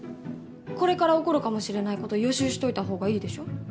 これから起こるかもしれないこと予習しといた方がいいでしょ？